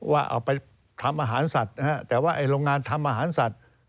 ว่าเอาไปทำอาหารสัตว์นะฮะแต่ว่าไอ้โรงงานทำอาหารสัตว์